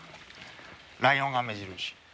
ライオンが目印。